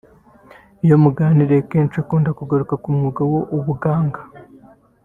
Iyo muganira akenshi akunda kugaruka ku mwuga w’ubuganga